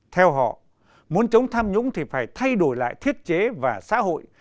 theo họ muốn chống tham nhũng thì phải thay đổi lại thiết chế và xã hội